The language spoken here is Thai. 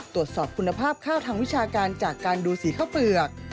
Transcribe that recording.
ตรวจสอบคุณภาพข้าวทางวิชาการจากการดูสีข้าวเปลือก